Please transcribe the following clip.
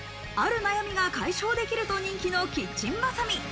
ある悩みが解消できると人気のキッチンバサミ。